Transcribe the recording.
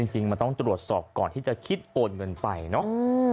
จริงมันต้องตรวจสอบก่อนที่จะคิดโอนเงินไปเนาะ